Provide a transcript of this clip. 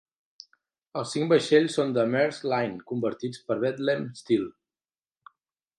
Els cinc vaixells són de Maersk Line convertits per Bethlehem Steel.